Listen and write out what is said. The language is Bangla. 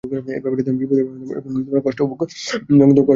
এ ব্যাপারে তিনি বিপদেও পড়েছিলেন এবং কষ্টও ভোগ করেছেন।